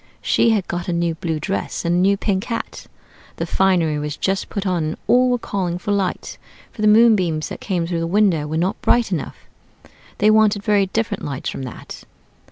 She had got a new blue dress, and a new pink hat. The finery was just put on, and all were calling for light, for the moonbeams that came through the window were not bright enough. They wanted very different lights from that.